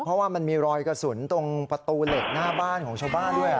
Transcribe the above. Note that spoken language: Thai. เพราะว่ามันมีรอยกระสุนตรงประตูเหล็กหน้าบ้านของชาวบ้านด้วย